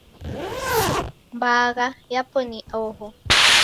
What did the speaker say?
Mbanga yapo ni oho